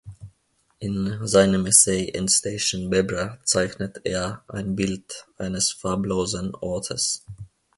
In seinem Essay „Endstation Bebra“ zeichnet er ein Bild eines farblosen Ortes.